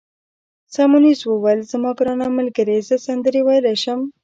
سیمونز وویل: زما ګرانه ملګرې، زه سندرې ویلای شم.